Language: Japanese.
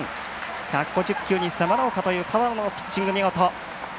１５０球に迫ろうという河野のピッチング見事。